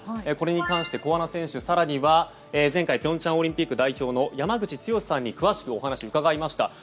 これに関して小穴選手、更には前回平昌オリンピック代表の山口剛史さんに詳しくお話を伺いました。